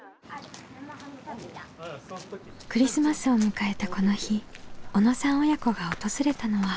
クリスマスを迎えたこの日小野さん親子が訪れたのは。